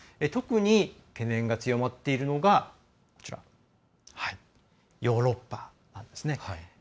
特に懸念が強まっているのがヨーロッパなんですね。